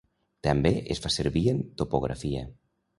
També es fa servir en topografia.